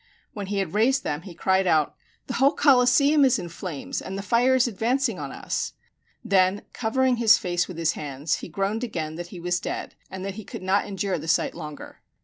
When he had raised them he cried out, "The whole Coliseum is in flames, and the fire is advancing on us;" then covering his face with his hands, he groaned again that he was dead, and that he could not endure the sight longer.